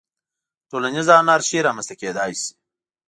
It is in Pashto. ټولنیزه انارشي رامنځته کېدای شي.